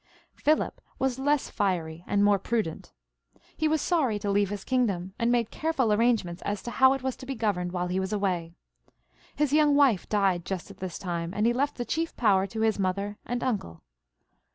Philip was less fiery and more prudent. He was sorry to leave his kingdom, and made careful arrangements as to how it was to be governed while he was away. His young wife died just at this time, and he left the chief power to his mother and uncle.